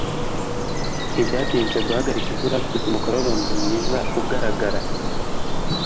Ntibyatinze guhagarika imvura kuruta umukororombya mwiza ugaragara.